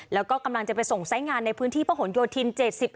แล้วก็กำลังจะไปส่งสายงานในพื้นที่พระหลโยธิน๗๐